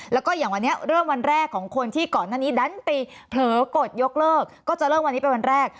แล้วก็อย่างวันนี้เริ่มวันแรกของคนที่ก่อนหน้านี้ดันตีเผลอกดยกเลิกก็จะเริ่มวันนี้เป็นวันแรก